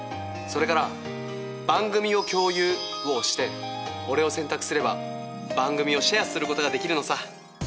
それから「番組を共有」を押して俺を選択すれば番組をシェアすることができるのさ。